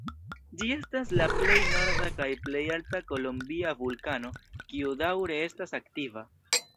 Ĝi estas la plej norda kaj plej alta kolombia vulkano, kiu daŭre estas aktiva.